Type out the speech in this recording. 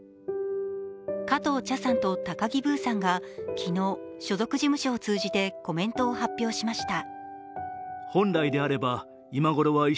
加藤茶さんと高木ブーさんが昨日、所属事務所を通じてコメントを発表しました。